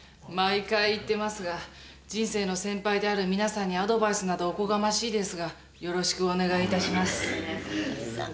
毎回言っていますが人生の先輩である皆さんにアドバイスなどおこがましいですがよろしくお願いいたします。